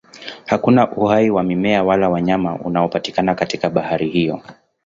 Hakuna uhai wa mimea wala wanyama unaopatikana katika bahari hiyo.